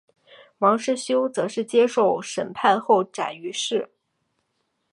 王世修则是接受审判后斩于市。